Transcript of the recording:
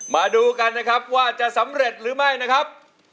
มาดูกันนะครับว่าจะสำเร็จหรือไม่นะครับ